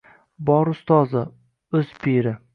Bor ustozi, o’z piri.